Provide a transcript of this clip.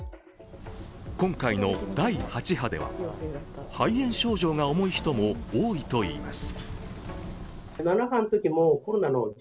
今回の第８波では肺炎症状が重い人も多いといいます。